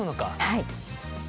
はい。